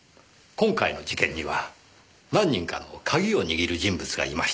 今回の事件には何人かの鍵を握る人物がいました。